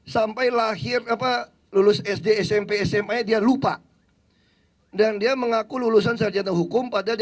sampai lahir apa lulus sd smp sma dia lupa dan dia mengaku lulusan sarjana hukum pada